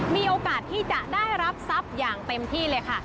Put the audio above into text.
มีโอกาสที่จะได้รับทรัพย์อย่างเต็มที่เลยค่ะ